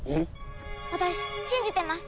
私信じてます！